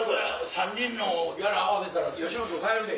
３人のギャラ合わせたら吉本買えるで。